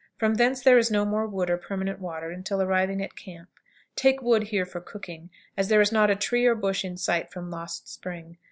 From thence there is no more wood or permanent water until arriving at camp. Take wood here for cooking, as there is not a tree or bush in sight from Lost Spring.